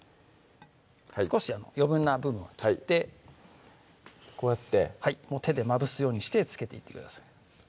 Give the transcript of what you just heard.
少し余分な部分は切ってこうやって手でまぶすようにしてつけていってください